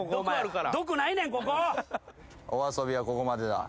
お遊びはここまでだ。